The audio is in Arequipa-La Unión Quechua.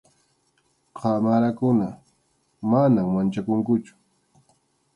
qamarakuna, manam manchakunkuchu.